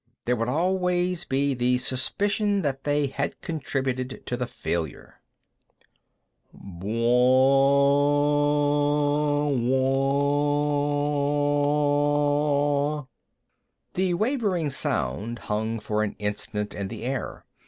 There would always be the suspicion that they had contributed to the failure. Bwaaa waaa waaanh! The wavering sound hung for an instant in the air.